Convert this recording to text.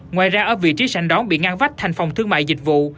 ngoài ra ở vị trí sành đón bị ngăn vách thành phòng thương mại dịch vụ